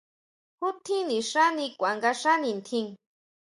¿Ju tjín nixani kuanga xá nitjín?